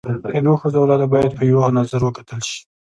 د دوو ښځو اولاده باید په یوه نظر وکتل سي.